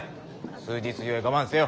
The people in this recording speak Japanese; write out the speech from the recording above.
数日ゆえ我慢せよ。